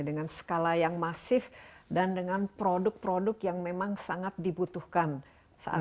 dengan skala yang masif dan dengan produk produk yang memang sangat dibutuhkan saat ini